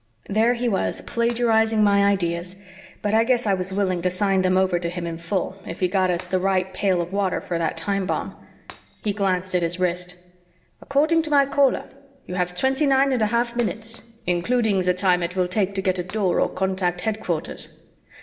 There he was plagiarizing my ideas, but I guess I was willing to sign them over to him in full if he got us the right pail of water for that time bomb. He glanced at his wrist. "According to my Caller, you have twenty nine and a half minutes, including the time it will take to get a Door or contact headquarters.